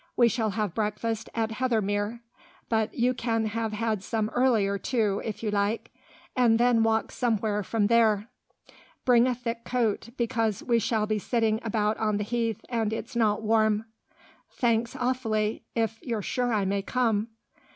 We shall have breakfast at Heathermere (but you can have had some earlier, too, if you like), and then walk somewhere from there. Bring a thick coat, because we shall be sitting about on the heath, and it's not warm." "Thanks awfully, if you're sure I may come."